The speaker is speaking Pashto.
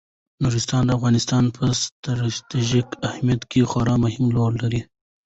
نورستان د افغانستان په ستراتیژیک اهمیت کې خورا مهم رول لري.